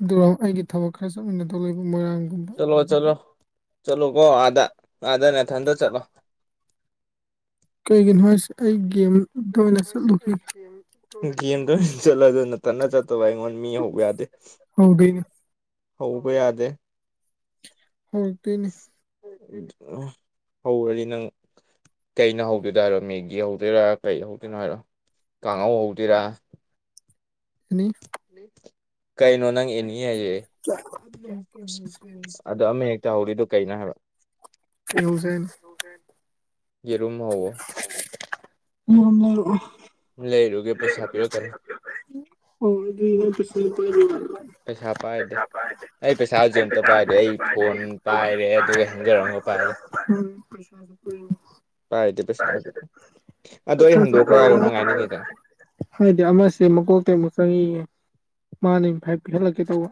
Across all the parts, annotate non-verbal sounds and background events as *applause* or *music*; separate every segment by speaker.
Speaker 1: ꯑꯗꯨꯒ ꯑꯩꯒꯤ ꯊꯕꯛ ꯈꯔ ꯆꯠꯃꯤꯟꯅꯗꯧ ꯂꯩꯕ ꯃꯣꯏꯔꯥꯡꯒꯨꯝ
Speaker 2: ꯆꯂꯣ ꯆꯂꯣ ꯆꯂꯣ ꯀꯣ ꯑꯗꯥ ꯑꯗꯅꯦꯊꯟꯗ ꯆꯠꯂꯣ
Speaker 1: ꯀꯩꯒꯤꯅꯣ ꯍꯥꯏꯁꯦ ꯑꯩ ꯒꯦꯝꯗ ꯑꯣꯏꯅ ꯆꯠꯂꯨꯈꯤ
Speaker 2: ꯦ ꯀ ꯆꯂꯗ ꯅ ꯇꯅ ꯆꯠꯇꯕ ꯑꯩꯉꯣꯟꯗ ꯃꯤ ꯍꯧꯕ ꯌꯥꯗꯦ
Speaker 1: ꯍꯧꯗꯣꯏꯅꯤ
Speaker 2: ꯍꯧꯕ ꯌꯥꯗꯦ
Speaker 1: *unintelligible*
Speaker 2: ꯍꯧꯔꯗꯤ ꯅꯪ ꯀꯩꯅ ꯍꯧꯗꯣꯏꯗ ꯍꯥꯏꯔꯣ ꯃꯦꯒꯤ ꯍꯧꯗꯣꯏꯔꯥ ꯀꯩ ꯍꯧꯗꯣꯏꯅꯣ ꯍꯥꯏꯔꯣ ꯀꯥꯡꯍꯧ ꯍꯧꯗꯣꯏꯔꯥ ꯎꯝ ꯎ
Speaker 1: ꯀ
Speaker 2: ꯑꯗ ꯑꯃ ꯍꯦꯛꯇꯍꯧꯔꯤꯗꯨꯣ ꯀꯩꯅꯣ ꯍꯥꯏꯕ
Speaker 1: ꯀ ꯍꯧꯁꯦ
Speaker 2: ꯌꯦ ꯔꯨꯝ ꯍꯣ
Speaker 1: ꯃꯔꯝ ꯂꯩꯔꯛꯑꯣ
Speaker 2: ꯂꯩꯔꯨꯒꯦ ꯄꯩꯁꯥ ꯄꯤꯔꯛꯀꯅꯤ
Speaker 1: ꯑꯣ ꯑꯗꯨ
Speaker 2: ꯄꯩꯁꯥ ꯄꯥꯏꯗꯦ
Speaker 1: ꯄ
Speaker 2: ꯑꯩ ꯄꯩꯁꯥ ꯍꯧꯖꯤꯛ ꯑꯃꯝꯇ ꯄꯥꯏꯗꯦ ꯑꯩ ꯐꯣꯟ ꯄꯥꯏꯔꯦ ꯑꯗꯨꯒ ꯍꯦꯟꯖꯔꯝꯒ ꯄꯥꯏꯔꯦ
Speaker 1: ꯎꯝ
Speaker 2: ꯄꯥꯏꯔꯗꯤ ꯄꯩꯁꯥ ꯑꯗꯣ ꯑꯗꯣ ꯑꯩ ꯍꯟꯗꯣꯛꯈ꯭ꯔꯣ ꯍꯥꯏꯔꯣ
Speaker 1: ꯄꯩꯁꯥꯁꯨ
Speaker 2: ꯅꯪ ꯍꯥꯏꯥꯏꯅꯤꯡꯉꯤꯗ
Speaker 1: ꯍꯥꯏꯗꯤ ꯑꯃꯁꯦ ꯃꯀꯣꯛꯜꯇ ꯑꯃꯨꯛ ꯆꯪꯉꯤꯌꯦ ꯃꯥꯅꯦ ꯍꯥꯏꯥꯏ ꯄꯤꯍꯜꯂꯛꯀꯦ ꯇꯧꯕ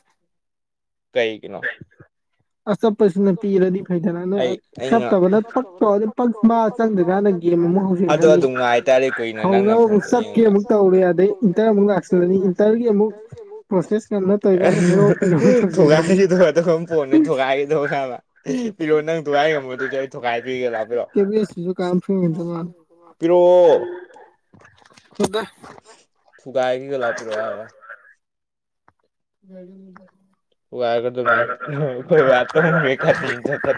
Speaker 2: ꯀꯩꯒꯤꯅꯣ
Speaker 1: *unintelligible* ꯑ ꯆꯞꯄꯁꯤꯅ ꯄꯤꯔꯗꯤ ꯐꯩꯗꯅ ꯅꯣꯏ
Speaker 2: ꯑꯩ
Speaker 1: ꯆꯠꯇꯕꯅ ꯄꯛ ꯇ
Speaker 2: ꯑꯗꯣ ꯑꯗꯨꯝ ꯉꯥꯏꯇꯥꯔꯦ ꯀꯨꯏꯅ ꯅꯪꯅ
Speaker 1: ꯍꯧꯅꯕ ꯑꯃꯨꯛ
Speaker 2: ꯐꯪꯕ
Speaker 1: ꯆꯞꯀꯦ
Speaker 2: ꯌꯦꯡꯉ
Speaker 1: ꯑꯃꯨꯛ ꯇꯧꯔꯦ ꯑꯗꯩ ꯏꯟꯇꯔ ꯑꯃꯨꯛ ꯂꯥꯛꯁꯤꯜꯂꯅꯤ ꯏꯟꯇꯔꯒꯤ ꯑꯃꯨꯛ ꯄ꯭ꯔꯣꯁꯦꯁ ꯀ ꯅꯠꯇꯧꯔꯤꯀꯥꯟꯗ ꯍꯦꯔꯣ ꯐꯤꯔꯣꯜ
Speaker 2: *unintelligible*
Speaker 1: ꯇꯧꯁꯤꯟꯈ꯭ꯔꯅꯤ
Speaker 2: ꯊꯨꯒꯥꯏꯈꯤꯗꯗꯝ ꯄꯣꯠꯅꯤ ꯊꯨꯒꯥꯏꯈꯤꯗꯕ ꯈꯕ ꯑꯦ ꯄꯤꯔꯣ ꯅꯪ ꯊꯨꯒꯥꯏ ꯉꯝꯃꯣ ꯑꯗꯨꯗꯤ ꯑꯩ ꯊꯨꯒꯥꯏ ꯄꯤꯒꯦ ꯂꯥꯛꯄꯤꯔꯑꯣ
Speaker 1: ꯁꯨ
Speaker 2: ꯄꯔꯣ
Speaker 1: ꯈꯣꯏꯗ ꯇꯨ
Speaker 2: ꯊꯨꯡꯒꯑ ꯀꯒꯂꯣꯄꯤꯔ ꯋꯥꯔ
Speaker 1: ꯉꯒꯅꯤ ꯇ
Speaker 2: ꯋꯥꯔꯒꯗꯅꯤ ꯋꯥ ꯈꯥ ꯊ ꯏ ꯆ ꯐ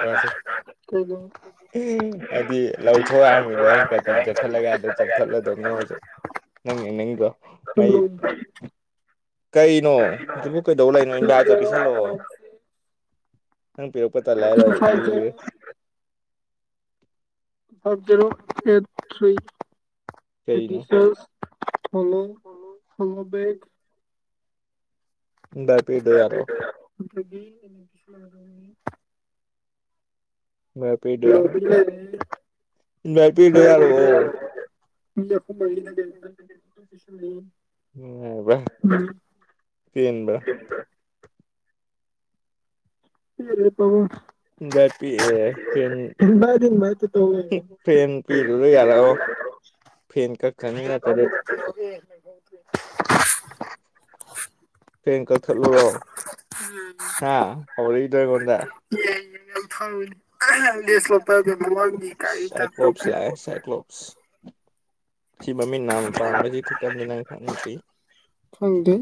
Speaker 2: ꯐꯁꯦ
Speaker 1: *unintelligible*
Speaker 2: ꯎꯝ ꯍꯥꯏꯗꯤ ꯂꯧꯊꯣꯛ ꯍꯥꯏꯔꯃꯩꯗꯣ ꯑꯩ ꯀ ꯆꯠꯊꯠꯂꯒ ꯌꯥꯗ ꯆꯊꯠꯂꯗꯧꯅꯦ ꯍꯧꯁꯨ ꯅꯪ ꯅꯪꯒꯣ ꯃꯩ ꯀꯩꯅꯣ ꯍꯧꯖꯤꯛꯄꯨ ꯀꯩꯗꯧꯕ ꯂꯩꯅꯣ ꯏꯟꯚꯏꯇ ꯄꯤꯁꯜꯂꯛꯑꯣ ꯅꯪ ꯄꯤ ꯄꯠꯇ ꯂꯩꯥꯏꯔ ꯄꯤꯒ
Speaker 1: ꯐꯥꯏꯚ ꯖꯔꯣ ꯑꯩꯠ ꯊ꯭ꯔꯤ
Speaker 2: ꯀꯩꯅꯣ
Speaker 1: ꯑꯦꯗꯤꯁ ꯐꯂꯣ ꯐꯂꯕꯦꯒ
Speaker 2: ꯏꯟꯚꯥꯏꯠ ꯄꯤꯔꯤꯗꯣ
Speaker 1: *unintelligible*
Speaker 2: ꯎ ꯃ ꯄꯩꯗ ꯌꯥꯔ
Speaker 1: ꯂꯣꯕꯤ ꯂꯩꯔꯦ
Speaker 2: ꯏꯟꯚꯥꯏꯗ ꯄꯤꯗ ꯌꯥꯔꯛ ꯑꯣ
Speaker 1: ꯃꯤ ꯑꯍꯨꯝ ꯃꯔꯤꯅ ꯀꯩꯅꯣ ꯄꯤꯁꯜꯂꯛꯏ
Speaker 2: *unintelligible*
Speaker 1: ꯄꯦꯜꯂꯦ ꯄꯥꯕꯨꯡ
Speaker 2: ꯏꯟꯚꯥꯏꯗ *unintelligible*
Speaker 1: ꯏꯟꯚꯥꯏꯠ ꯏꯟꯚꯥꯏꯠꯇ ꯇꯧ ꯂꯩꯔꯦ
Speaker 2: ꯐꯦꯟ ꯄꯤꯔꯨꯔꯣ ꯌꯥꯔꯛꯑꯣ ꯐꯦꯟ ꯀꯛ ꯈꯅꯤ ꯅꯠꯇ
Speaker 1: *unintelligible*
Speaker 2: ꯐꯦꯡ ꯀꯛꯊꯠꯂꯨꯔꯣ ꯍꯥ ꯍꯧꯔꯛꯏꯗꯣ ꯑꯩꯉꯣꯟꯗ
Speaker 1: *unintelligible* *unintelligible*
Speaker 2: ꯁꯥꯏꯀꯂꯣ *unintelligible* ꯁꯤ ꯃꯃꯤꯡ ꯅꯥ ꯄꯥꯝꯁꯤ ꯈꯨꯀꯟ ꯈꯪꯗ꯭ꯔꯤ
Speaker 1: ꯈꯪꯗꯦ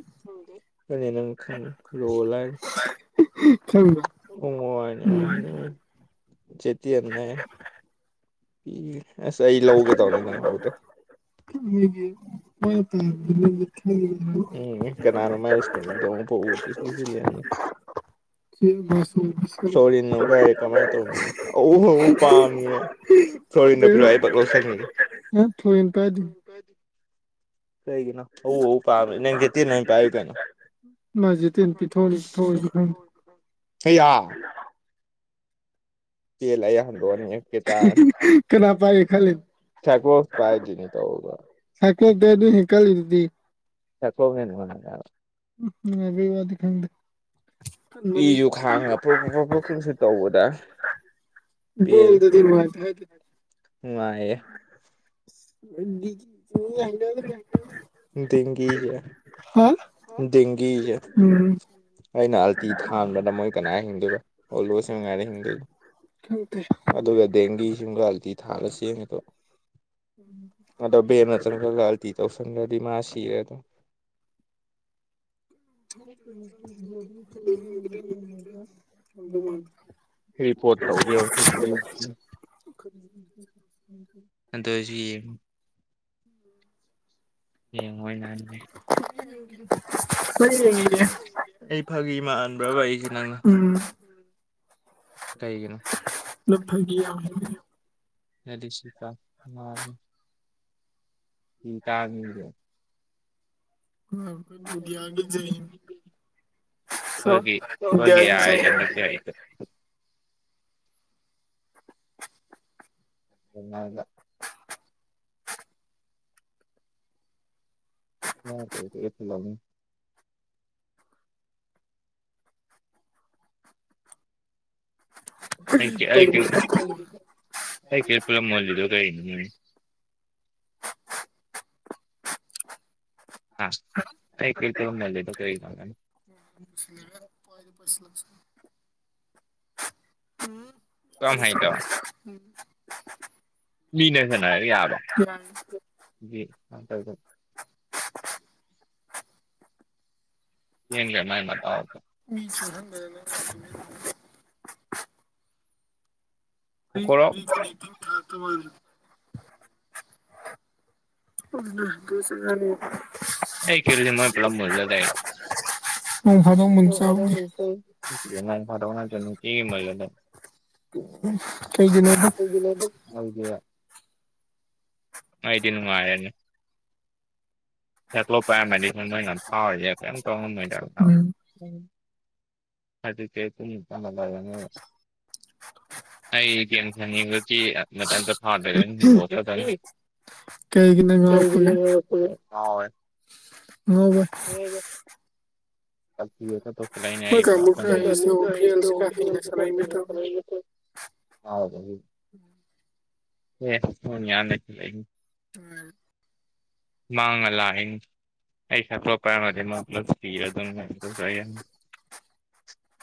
Speaker 1: ꯈꯪꯕ꯭ꯔꯥ
Speaker 2: *unintelligible* *unintelligible* ꯑꯁ ꯑꯩ ꯂꯧꯒꯦ ꯇꯧꯅꯦ ꯅꯪ ꯑꯣꯗ
Speaker 1: ꯃꯣꯏꯒꯤ ꯃꯣꯏꯅ ꯄꯥꯝꯕꯗꯨꯅꯗꯤ
Speaker 2: ꯎꯝ ꯀꯅꯥꯅ ꯃꯥꯁ ꯀ ꯍ ꯏꯁꯄꯤꯁꯅꯤ ꯁꯣꯔꯤ ꯀꯥꯏ ꯀꯃꯥꯏ ꯇ ꯃꯤ ꯑ ꯄꯥꯝꯒ
Speaker 1: ꯊꯣꯏꯅ ꯄꯥꯏꯗꯦ
Speaker 2: *unintelligible* ꯀꯩꯒꯅ ꯍꯧ ꯍ ꯄꯝꯃꯦ ꯅꯒꯦꯇ ꯅ ꯄꯥꯏ ꯀꯥꯏꯅ
Speaker 1: ꯃꯥꯁꯦ ꯇꯦꯟ ꯄꯤꯊꯣꯛꯑꯅꯤ ꯄꯤꯊꯣꯛꯑꯁꯨ ꯈꯪꯗꯦ
Speaker 2: *unintelligible* ꯆꯦꯜꯂ ꯑꯩ ꯍꯟꯗꯣꯛꯑꯅꯤ ꯑꯀꯦ ꯇꯔꯅꯤ
Speaker 1: ꯀꯅꯥ ꯄꯥꯏꯒꯦ ꯈꯜꯂꯤꯅꯣ
Speaker 2: ꯊꯛꯄ ꯀꯥꯏꯖꯅꯤ ꯇꯧꯔꯒ
Speaker 1: ꯁꯀ ꯗꯦ ꯑꯗꯨ ꯍꯤꯡ ꯀꯥꯜꯗꯗꯤ
Speaker 2: *unintelligible*
Speaker 1: ꯅꯨꯉꯏꯕꯩ ꯋꯥꯗꯤ ꯈꯪꯗ
Speaker 2: ꯄꯁꯨ ꯈꯥꯡꯉ ꯄ꯭ꯔꯣꯛ ꯄ꯭ꯔꯣꯛꯁꯨ ꯇꯧꯕꯗ ꯄꯦꯜꯂꯦ ꯅꯨꯡꯉꯥꯏꯌꯦ
Speaker 1: *unintelligible* *unintelligible*
Speaker 2: ꯗꯦꯡꯖꯦꯁꯦ
Speaker 1: ꯍꯥ
Speaker 2: ꯗꯦꯡꯒꯤꯖꯦ
Speaker 1: ꯎꯝ
Speaker 2: ꯑꯩꯅ ꯑꯜꯇꯤ ꯊꯥꯡꯗꯅ ꯃꯣꯏ ꯀꯅꯥ ꯍꯤꯡꯗꯣꯏꯕ ꯑꯣꯂꯣꯁ ꯃꯉꯥꯏꯗ ꯍꯤꯡꯗꯣꯏꯅꯣ
Speaker 1: *unintelligible*
Speaker 2: ꯑꯗꯨꯒ ꯗꯦꯡꯒꯤꯁꯤꯡꯒ ꯑꯜꯇꯤ ꯊꯥꯜꯂ ꯆꯦꯡꯉꯦꯗꯣ ꯑꯗꯣ ꯕ ꯐ ꯈ ꯒꯥꯜꯇꯤ ꯇꯧꯁꯟꯈ꯭ꯔꯗꯤ ꯃꯥ ꯁꯤꯔꯦ ꯑꯗꯣ *unintelligible* ꯔꯤꯄꯣꯠ ꯇꯧꯒ ꯍꯧꯖꯤꯛ ꯆꯢꯖꯒ ꯑꯗꯣ ꯁꯤ ꯌꯦꯡꯣꯏ ꯂꯅꯦ
Speaker 1: ꯍꯣꯏ ꯌꯦꯡꯉꯤꯌꯦ
Speaker 2: ꯑꯩ ꯐꯥꯒꯤ ꯃꯥꯟꯕ꯭ꯔꯕ ꯑꯩꯁꯦ ꯅꯪꯅ
Speaker 1: ꯎꯝ
Speaker 2: ꯀꯩꯒꯤꯅꯣ
Speaker 1: ꯄꯨꯂꯞ ꯐꯥꯒꯤ ꯌꯥꯝ ꯌꯥꯎꯋꯤ
Speaker 2: ꯆꯁꯤꯀ ꯃꯥ ꯁꯤ ꯇꯗꯃꯤꯒ *inaudible*
Speaker 1: ꯏꯟꯗꯤꯌꯥꯒꯤ ꯖꯩ ꯍꯤꯟ
Speaker 2: *unintelligible* ꯍꯦ ꯍꯦ
Speaker 1: ꯏꯟꯗꯤꯌꯥꯒꯤ ꯖꯩ
Speaker 2: ꯍꯥꯏ *inaudible* ꯑꯗꯨꯉꯗ *inaudible* ꯌꯥ ꯏꯁꯨ ꯂꯅꯤ *inaudible* ꯑꯩ
Speaker 1: ꯇꯧꯕꯗ
Speaker 2: ꯑꯩ ꯀ ꯄꯨꯂꯂꯝꯃꯣꯜꯂꯤꯗꯣ ꯀꯩꯅꯤ ꯎ *inaudible* ꯑ ꯀ ꯀ ꯔꯨꯝ ꯂꯩꯗꯣ ꯀꯩꯅꯤ *inaudible*
Speaker 1: ꯁꯤ ꯂꯩꯕ *inaudible* ꯄꯥꯏꯗ ꯄꯥꯏꯁꯤꯜꯂꯛꯁꯨꯅꯣ
Speaker 2: ꯀꯔꯝ
Speaker 1: ꯭ꯔ
Speaker 2: ꯍꯩꯇꯕ
Speaker 1: ꯎꯝ *inaudible*
Speaker 2: ꯃꯤꯅ ꯍꯥꯢꯔꯒ ꯌꯥꯕ
Speaker 1: ꯌꯥꯔꯦ *inaudible*
Speaker 2: ꯆꯦꯟꯒꯔꯦ ꯃꯥꯢ ꯃꯇꯥꯎ
Speaker 1: ꯃꯤꯍꯟꯗ *inaudible*
Speaker 2: ꯀꯣꯀꯣꯔꯣ
Speaker 1: ꯊꯥ ꯇꯔ *inaudible* ꯑꯗꯨꯅ ꯑꯩꯈꯣꯢ ꯆꯠꯂꯅꯤ
Speaker 2: ꯑꯩ ꯀꯔꯤꯗꯤ ꯃꯣꯏ ꯄ꯭ꯂꯂꯝꯝ *inaudible*
Speaker 1: ꯅꯣꯡ ꯐꯗꯣꯛ
Speaker 2: ꯅꯣꯛ ꯐꯥꯗꯣꯛ ꯅꯠꯇꯦ ꯅꯨꯡꯇꯤꯒꯤ ꯃꯔꯩ ꯌꯦꯠꯅꯩ
Speaker 1: ꯀꯩꯒꯤꯅꯣꯍꯦ
Speaker 2: ꯑꯗꯨ *inaudible* ꯑꯩꯗꯤ ꯅꯨꯡꯉꯥꯏꯔꯦꯅꯦ ꯍꯦꯇꯂꯣ *inaudible* ꯞ ꯄꯥꯏꯔꯝꯃꯗꯤ ꯑꯩꯣꯏ ꯅꯣꯏ ꯉ ꯐꯥꯎꯔꯤꯁꯦ ꯀꯩꯅꯔꯤꯝ ꯇꯧꯉꯝꯃꯣꯏꯗ
Speaker 1: ꯎꯝ
Speaker 2: ꯑꯗꯨ ꯀꯦꯇ ꯀꯅꯗꯒꯅꯦ *inaudible*
Speaker 1: *unintelligible*
Speaker 2: ꯑꯩ ꯌꯦꯦꯟꯁꯟꯅꯤꯡ *inaudible* ꯕꯗꯤ ꯃꯇ ꯐꯥꯗ꯭ꯔ ꯍꯗꯣꯛ
Speaker 1: ꯀꯩꯒꯤꯅ
Speaker 2: ꯃꯔꯛ
Speaker 1: ꯉꯥꯎꯔꯛꯄꯒ
Speaker 2: ꯃꯔꯛ ꯄꯨꯜꯂꯦ
Speaker 1: ꯍꯒ *inaudible*
Speaker 2: ꯆ
Speaker 1: ꯃꯣꯏ ꯀꯥꯡꯕꯨ ꯈꯔ ꯍꯩꯁꯨ
Speaker 2: ꯇꯅꯦ
Speaker 1: ꯚꯦꯜꯁꯦ ꯈꯔ ꯍꯩꯅ
Speaker 2: ꯄꯣ
Speaker 1: ꯁꯥꯟꯅꯩ ꯃꯦ ꯇꯧꯋꯦ
Speaker 2: *inaudible* ꯍ ꯑꯦ ꯌꯥ *inaudible*
Speaker 1: ꯇꯥꯢ
Speaker 2: ꯃꯉ ꯂꯑ ꯀꯩꯁꯥ ꯄ꯭ꯔꯣꯄꯔ ꯃ ꯃꯥꯂ ꯄꯤ *inaudible* ꯎꯝ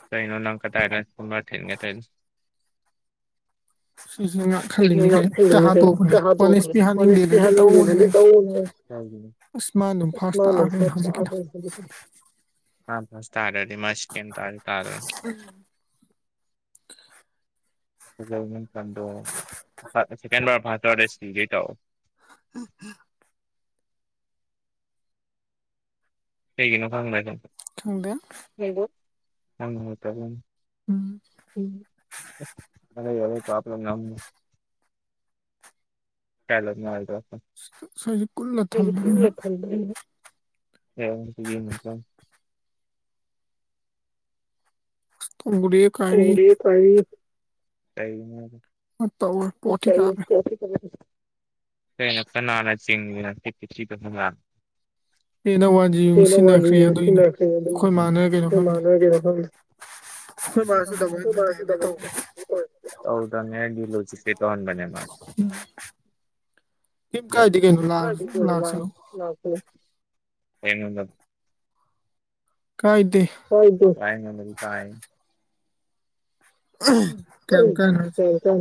Speaker 2: ꯀꯩꯅꯣ ꯅꯪ ꯀꯗꯥꯏꯗ ꯁꯣ ꯊꯦꯡ ꯊꯦꯡ *inaudible*
Speaker 1: *unintelligible* ꯁꯤꯁꯤ ꯉꯥꯛ ꯈꯜꯂꯤꯃꯦ ꯀꯩ ꯇ ꯍꯥꯠꯇꯣꯛꯕꯅꯦ ꯋꯥꯟ ꯑꯦꯁ ꯄꯤ ꯍꯥꯞꯅꯤꯡꯗꯦꯅ ꯑꯗꯨ ꯇꯧꯕꯅꯦ ꯑꯁ ꯃꯥꯅ ꯐꯥꯥꯁꯇ ꯇꯥꯈꯔꯦ ꯍꯧꯖꯤꯛꯒꯤꯗꯣ
Speaker 2: ꯃꯅꯥ ꯐꯥꯁ ꯇꯥꯗꯔꯗꯤ ꯁꯦꯀꯦꯟ ꯇꯥꯗꯧꯅꯤ
Speaker 1: ꯎꯝ
Speaker 2: ꯍꯧꯖꯜꯐꯝꯗꯣ ꯁꯦꯀꯦꯟ ꯕꯥꯔ ꯐꯥꯔꯁ ꯇꯔꯗ ꯁꯤꯒꯩ ꯇꯧꯔꯑꯣ *inaudible*
Speaker 1: ꯎꯝꯝ
Speaker 2: ꯀꯩꯒꯤꯅꯣ ꯈꯪꯗꯦ ꯑꯗꯨꯝ
Speaker 1: ꯊꯣꯛꯗꯦ
Speaker 2: ꯇ ꯎ
Speaker 1: ꯎꯝ
Speaker 2: *inaudible* ꯑ ꯑꯔ ꯅꯝ *inaudible* ꯍꯂꯣ ꯃꯥ *inaudible*
Speaker 1: ꯁ꯭ꯋꯥꯏꯁꯦ ꯀꯨꯜꯂ ꯊꯝꯕꯅꯤꯅ
Speaker 2: ꯍ ꯁꯤꯒꯤ ꯅꯠꯇ *inaudible*
Speaker 1: ꯑꯁ ꯎꯔꯦ
Speaker 2: ꯎꯗꯤ ꯀ ꯀ *inaudible*
Speaker 1: ꯃ ꯇꯧ *inaudible*
Speaker 2: ꯀꯩꯅ ꯀꯅꯥꯟꯅ ꯆꯤꯡꯉꯅꯦꯗ
Speaker 1: ꯄꯦꯅ ꯋꯥꯟꯖꯤ ꯑꯃꯨꯛ
Speaker 2: ꯗꯔ ꯃꯥ
Speaker 1: ꯁꯤꯟꯅꯈ꯭ꯔꯦ ꯑꯗꯨꯏꯅꯤ
Speaker 2: ꯂꯃꯅ
Speaker 1: ꯑꯩꯈꯣꯏ ꯃꯥꯅ ꯀꯩꯅꯣ ꯈꯪꯗꯦ
Speaker 2: ꯀꯦꯔ
Speaker 1: ꯑꯩꯈꯣꯏ ꯃꯥꯁꯨ ꯗꯕꯜ ꯄꯦꯇꯦꯟꯗꯤ ꯇꯧ
Speaker 2: ꯗ ꯉ ꯂꯣ ꯆ ꯆꯇꯍꯅꯦ ꯃꯥ
Speaker 1: ꯀꯩꯝ ꯀꯥꯏꯗꯦ ꯀꯩꯅꯣ ꯂꯥꯛꯁꯅꯨ
Speaker 2: ꯉ
Speaker 1: ꯀꯥꯏꯗꯦ
Speaker 2: ꯍꯣꯏꯗꯨ ꯀꯥꯏꯅꯗꯤ ꯀꯥꯏ ꯎ ꯎ
Speaker 1: ꯀꯌꯥꯝ ꯀꯥꯏꯅꯣ ꯍꯥꯏꯁꯦ
Speaker 2: ꯍꯇ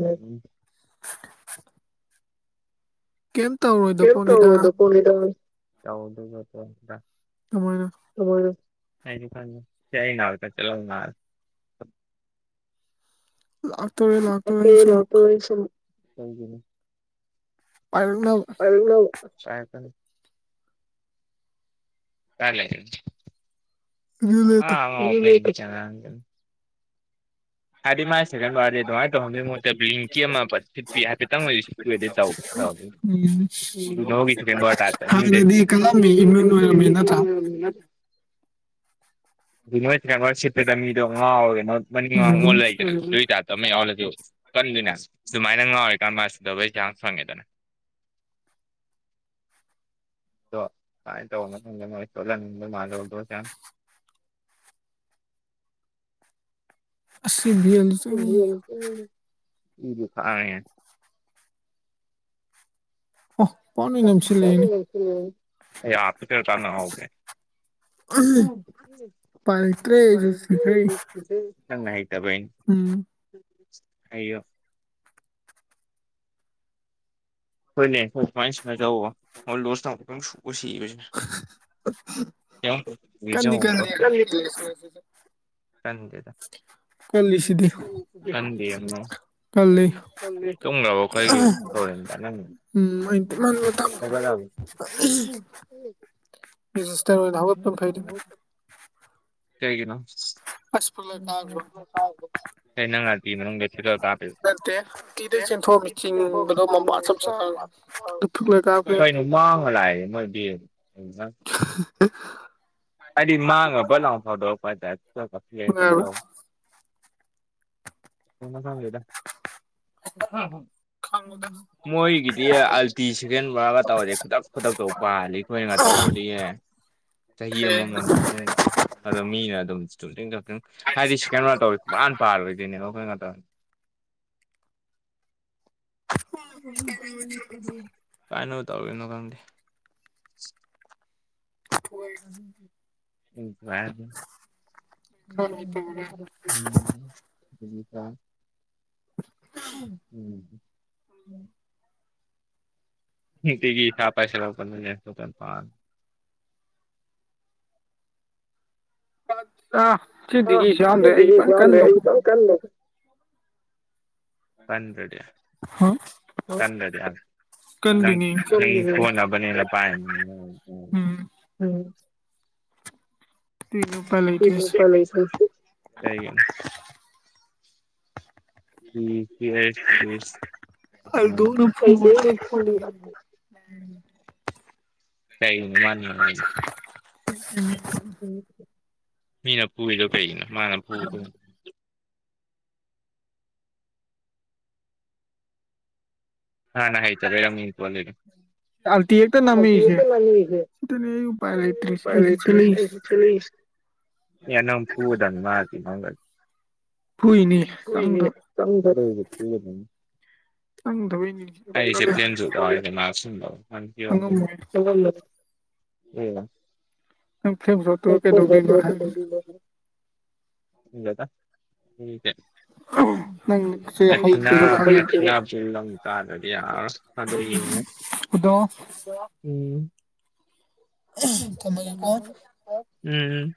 Speaker 1: ꯀꯩꯝ ꯇꯧꯔꯣꯏꯗ
Speaker 2: ꯀ
Speaker 1: ꯄꯣꯠꯅꯤꯗ
Speaker 2: ꯇꯧ ꯇꯗ
Speaker 1: ꯇꯃꯥꯏꯅ
Speaker 2: ꯆ ꯀ ꯆꯂ
Speaker 1: ꯑ ꯇ
Speaker 2: ꯑꯦ ꯂꯄꯁ
Speaker 1: ꯄꯅ
Speaker 2: *unintelligible* ꯀ ꯂꯩ
Speaker 1: ꯌ ꯂꯩꯇ
Speaker 2: ꯆ ꯍꯥꯏꯗꯤ ꯃꯥꯒꯤ ꯁꯦꯀꯟ ꯋꯥꯔꯗꯤ ꯑꯗꯨꯃꯥꯏꯅ ꯇꯧꯍꯟꯕꯒꯤ ꯃꯨꯠꯇ ꯂꯀꯤ ꯑꯃ ꯁꯤꯠꯄꯤ ꯍꯥꯏꯐꯦꯠꯇꯪ ꯑꯣꯏꯣꯏꯁꯤ ꯆ ꯏ ꯍ ꯁꯦꯀꯦꯟ ꯔ ꯗꯦ
Speaker 1: ꯍꯥꯟꯅꯗꯤ ꯀꯜꯂꯝꯃꯤ ꯏꯃ꯭ꯌꯨꯟ ꯑꯣꯏꯔꯝꯃꯤ ꯅꯠꯇ꯭ꯔꯥ
Speaker 2: ꯎꯝ ꯎꯝ ꯎ ꯁꯤꯔꯣ ꯃꯅꯤ
Speaker 1: ꯎꯝ
Speaker 2: ꯗꯨꯏ ꯇ ꯍ ꯍꯥꯗ ꯑꯣꯋꯥꯗꯤ ꯀꯟꯗꯣꯏꯅꯦ ꯁꯨꯃꯥꯏꯅ ꯉꯥꯎꯔꯤꯀꯥꯟ ꯃꯥꯁꯤꯗꯧꯕꯩ ꯆꯥꯡꯁ ꯐꯪꯉꯦꯗꯅ
Speaker 1: *unintelligible*
Speaker 2: ꯥꯏ ꯇ ꯑꯣꯂ ꯃꯥꯗꯣꯁ
Speaker 1: ꯑ ꯕꯤꯟ
Speaker 2: ꯏꯗꯤ ꯐ
Speaker 1: ꯑꯣ ꯄꯥꯎ ꯂꯣꯏ
Speaker 2: ꯍꯗ
Speaker 1: ꯅꯝꯁꯤꯜꯂꯛꯑꯦꯅꯦ
Speaker 2: ꯂꯩꯁꯤ ꯌꯥ ꯀꯔ ꯇꯅ ꯍꯒꯦ
Speaker 1: ꯎꯄꯥꯏ ꯂꯩꯇ꯭ꯔꯦ ꯑꯩꯁꯨ ꯁꯤꯈ꯭ꯔꯦ
Speaker 2: ꯆꯪꯅ ꯍꯥꯏꯛꯇꯕꯅ
Speaker 1: ꯎꯝ
Speaker 2: ꯑꯣ ꯍꯣꯏꯅꯦ ꯍꯣꯏ ꯁꯨꯃꯥꯏꯅ ꯁꯃꯖꯧꯣꯏ ꯂꯣꯁ ꯇꯧꯕ ꯑꯗꯨꯝ ꯁ ꯁꯤꯁꯦ
Speaker 1: ꯀꯟꯗꯤ
Speaker 2: ꯖ
Speaker 1: ꯀꯜꯂꯤ ꯍꯟꯗꯛꯀꯤ ꯂꯦꯁꯁꯤꯅꯁꯨ
Speaker 2: ꯀꯗ
Speaker 1: ꯀꯜꯂꯤꯁꯤꯗꯤ ꯀꯜꯂꯤ
Speaker 2: ꯀꯣ ꯇꯨꯝꯗ꯭ꯔꯕ ꯑꯩ ꯈꯈꯣꯏꯒꯤ ꯇꯧꯔꯤ
Speaker 1: ꯎꯝ ꯑꯩꯅ ꯇꯨꯝꯍꯟꯕ ꯇꯝꯃꯦ
Speaker 2: ꯪꯒ
Speaker 1: ꯔꯦꯖꯤꯁꯇꯇꯥꯔ ꯑꯣꯏꯅ ꯍꯒ ꯇꯝ ꯐꯣꯏꯗ
Speaker 2: ꯀ
Speaker 1: ꯑꯁ ꯐꯨꯛꯂ ꯀꯥꯈ꯭ꯔꯣ
Speaker 2: ꯀꯅꯣꯉ ꯇ ꯀꯥ
Speaker 1: ꯅꯠꯇꯦꯤꯗ ꯆꯦꯟꯊꯣꯛꯑꯝꯃꯤ ꯆꯤꯡꯕꯗꯣ ꯃꯄꯥ ꯆꯝ ꯆꯥꯡ
Speaker 2: ꯀꯩꯅꯣ ꯃꯥꯡꯉ ꯂꯥꯛꯑꯦ ꯃꯣꯏ ꯅ
Speaker 1: *unintelligible*
Speaker 2: ꯑꯗꯤ ꯃꯥꯥꯡꯕꯜ ꯐꯗꯣꯛ ꯄ ꯀ
Speaker 1: ꯅꯨꯡꯉꯥꯏꯕ꯭ꯔꯥ
Speaker 2: ꯁꯗꯣ ꯃꯃ ꯁꯦꯗ
Speaker 1: ꯪꯉꯗ
Speaker 2: ꯃꯣꯏꯒꯤꯗꯤ ꯑꯜꯇꯤ ꯁꯦꯀꯦꯟ ꯕꯔꯥꯒ ꯇꯧꯔꯗꯤ ꯈꯨꯗꯛ ꯈꯨꯗꯛꯇꯧ ꯄꯥꯜꯂꯤ ꯑꯩꯈꯣꯏꯅꯒ ꯇꯧꯔꯗꯤꯌꯦ ꯆꯍꯤ ꯑꯃꯃꯝ ꯑꯗꯣ ꯃꯤꯅ ꯑꯗꯨꯝ ꯆꯨꯞꯤꯡ ꯍꯥꯏꯗꯤ ꯁꯤ ꯀꯩꯅꯣ ꯇꯧꯋ ꯃꯥꯥꯟ ꯄꯥꯔꯣꯏꯅꯦꯕ ꯑꯩꯈꯩꯅ ꯉꯅꯤ ꯀꯥꯏꯅ ꯇꯧꯔꯤꯅꯣ ꯈꯪꯗꯦ
Speaker 1: ꯍꯣꯏ
Speaker 2: *unintelligible* *unintelligible* *inaudible* *unintelligible*
Speaker 1: *unintelligible*
Speaker 2: ꯑ *unintelligible*
Speaker 1: ꯌꯥꯝꯗ꯭ꯔꯦ ꯑꯩ ꯐꯟ ꯀꯟꯗꯧ ꯍꯥ
Speaker 2: *unintelligible* ꯀꯗꯔꯗꯤ ꯅꯪ
Speaker 1: ꯀꯟꯗꯣꯏꯅꯤ
Speaker 2: *unintelligible* ꯐꯅꯥꯕꯅꯤ ꯄꯥꯏ
Speaker 1: ꯎꯝ
Speaker 2: ꯎꯝ
Speaker 1: ꯑꯗꯨꯏꯅꯦ ꯎꯄꯥꯏ ꯂꯩꯇ꯭ꯔꯤꯁꯦ
Speaker 2: *unintelligible* *unintelligible*
Speaker 1: ꯑꯜꯗꯣꯅ ꯐꯨꯕ
Speaker 2: *unintelligible* ꯀꯩꯒꯤꯅꯣ ꯃꯥꯅ
Speaker 1: *inaudible*
Speaker 2: ꯃꯤꯅ ꯄꯨꯔꯤꯗꯣ ꯀꯩꯒꯤꯅꯣ ꯃꯥꯅ ꯄꯨꯕꯗꯣꯏꯅꯤ ꯍꯅ ꯍꯥꯏꯥꯏ ꯆꯔꯦꯝꯃꯤ ꯋꯥꯣ ꯂꯩꯦ
Speaker 1: ꯑꯜꯇꯤ ꯍꯦꯛꯇ ꯅꯝꯃꯛꯏꯁꯦ ꯁꯤꯗꯅꯦ ꯑꯩ ꯎꯄꯥꯏ ꯂꯩꯇ꯭ꯔꯤꯁꯦ ꯑꯩꯁꯨ ꯆꯦꯜꯂꯛꯏꯁꯦ
Speaker 2: *unintelligible* ꯑꯦ ꯅꯪ ꯐꯨꯒꯗꯕꯅꯤ ꯃꯥꯒꯤ ꯏꯃꯒ
Speaker 1: ꯐꯨꯏꯅꯤ ꯆꯪꯗ
Speaker 2: *unintelligible*
Speaker 1: ꯅꯪ ꯊꯣꯏꯅꯤ
Speaker 2: ꯀꯁꯦ ꯄ꯭ꯂꯦꯟꯁꯨ ꯃꯥꯁꯨ ꯀ
Speaker 1: ꯈꯪꯉꯝꯃꯣꯏ ꯅꯪ ꯐ꯭ꯂꯦꯝ ꯁꯣꯠꯇꯨꯒ
Speaker 2: ꯎꯝ
Speaker 1: ꯀꯩꯗꯧꯗꯣꯏꯅꯣ ꯍꯥꯏꯕ
Speaker 2: *unintelligible* ꯏꯗ
Speaker 1: ꯅꯪ ꯁꯦ ꯍꯩꯇꯦꯗꯣ
Speaker 2: ꯍꯒꯦ
Speaker 1: ꯈꯪꯉꯦ
Speaker 2: *unintelligible* ꯇꯥꯗꯗꯤꯗ
Speaker 1: ꯑꯗꯣ
Speaker 2: ꯎꯝ
Speaker 1: ꯊꯝꯃꯒꯦꯀꯣ
Speaker 2: ꯎꯝ